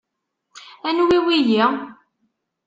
anwi wiyi?